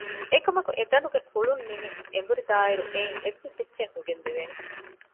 އެކަމަކު އެ ދަނޑުގެ ކުޅުންނިމި އެނބުރިދާއިރު އެއިން އެއްވެސްއެއްޗެއް ނުގެންދެވޭނެ